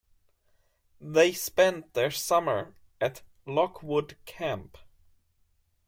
They spent their summer at Lockwood camp.